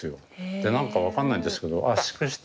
で何か分かんないんですけど圧縮した。